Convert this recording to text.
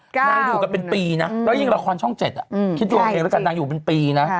นางอยู่กันเป็นปีนะแล้วยิ่งละครช่อง๗คิดถูกกับเครื่องละครนางอยู่เป็นปีนะ